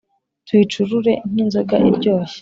tuyicurure nk' inzoga iryoshye